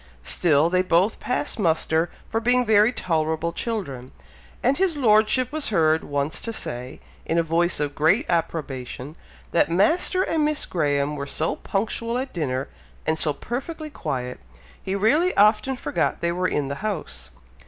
Still they both passed muster for being very tolerable children, and his Lordship was heard once to say, in a voice of great approbation, that Master and Miss Graham were so punctual at dinner, and so perfectly quiet, he really often forgot they were in the house.